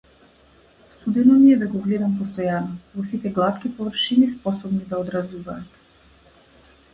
Судено ми е да го гледам постојано, во сите глатки површини способни да одразуваат.